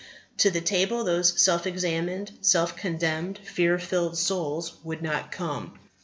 to the table those self examined, self condemned, fear filled souls would not come.